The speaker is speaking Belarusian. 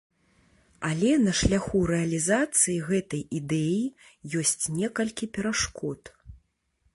Але на шляху рэалізацыі гэтай ідэі ёсць некалькі перашкод.